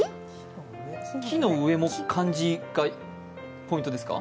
木の上も漢字がポイントですか？